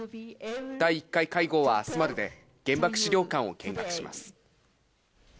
第１回会合はあすまでで、原爆資料館を見学します。